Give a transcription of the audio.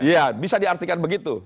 iya bisa diartikan begitu